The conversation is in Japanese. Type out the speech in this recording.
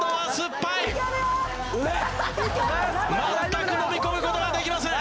全く飲み込む事ができません。